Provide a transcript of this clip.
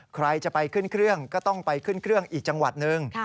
ใครจะไปขึ้นเครื่องก็ต้องไปขึ้นเครื่องอีกจังหวัดหนึ่ง